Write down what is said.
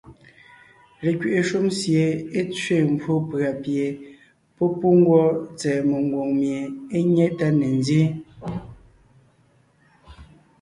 Lekwiʼi shúm sie é tsẅé mbwó pʉ̀a pie pɔ́ pú ngwɔ́ tsɛ̀ɛ mengwòŋ mie é nyé tá ne nzyéen.